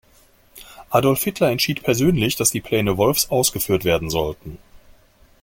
Adolf Hitler entschied persönlich, dass die Pläne Wolffs ausgeführt werden sollten.